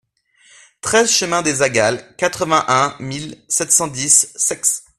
treize chemin des Agals, quatre-vingt-un mille sept cent dix Saïx